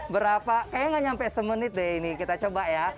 berapa kayaknya nggak nyampe semenit deh ini kita coba ya